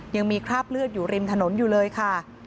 ยังมีคราบเลือดอยู่ริมถนนอยู่เลยค่ะ